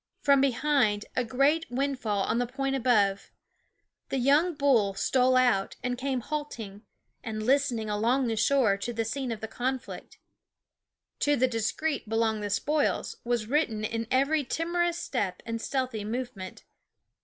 From behind a great windfall on the point above, the first young bull stole out, and came halting and listening along the shore to the scene of the conflict. " To the discreet belong the spoils " was written in every timorous step and stealthy movement.